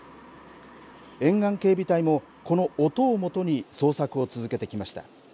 沿岸警備隊も、この音をもとに捜索を続けてきました。